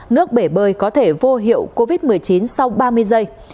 nước bể bơi có thể vô hiệu covid một mươi chín sau ba mươi giây